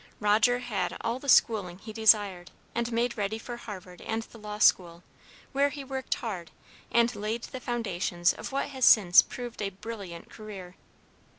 Roger had all the schooling he desired, and made ready for Harvard and the law school, where he worked hard, and laid the foundations of what has since proved a brilliant career.